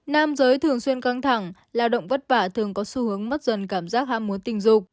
nam giới thường xuyên căng thẳng lao động vất vả thường có xu hướng mất dần cảm giác ham muốn tình dục